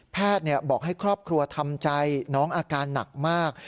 บอกให้ครอบครัวทำใจน้องอาการหนักมาก